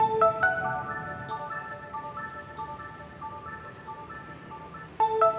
jangan dulu diminum din